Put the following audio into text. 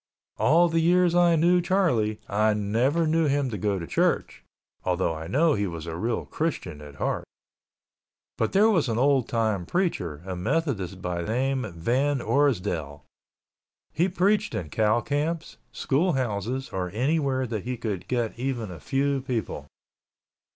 All the years I knew Charlie, I never knew him to go to church (although I know he was a real Christian at heart) but there was an old time preacher, a Methodist by name Van Orsdell. He preached in cow camps, school houses or anywhere that he could get even a few people.